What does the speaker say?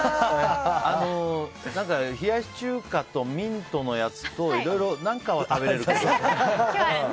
冷やし中華とミントのやつといろいろ何かは食べれるけど。